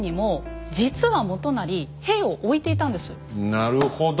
なるほど！